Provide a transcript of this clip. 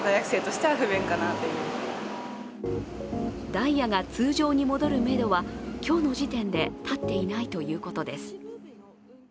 ダイヤが通常に戻るめどは今日の時点で立っていないということです。